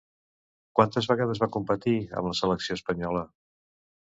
Quantes vegades va competir amb la selecció espanyola?